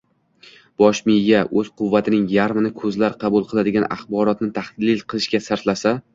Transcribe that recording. bosh miya o‘z quvvatining yarmini ko‘zlar qabul qiladigan axborotni tahlil qilishga sarflasa